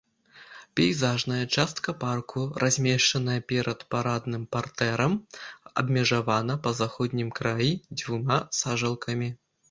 Пейзажная частка парку размешчаная перад парадным партэрам, абмежавана па заходнім краі дзвюма сажалкамі.